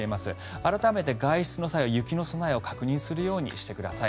改めて外出の際は雪の備えを確認するようにしてください。